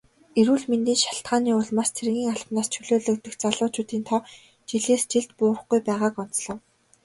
Эрүүл мэндийн шалтгааны улмаас цэргийн албанаас чөлөөлөгдөх залуучуудын тоо жилээс жилд буурахгүй байгааг онцлов.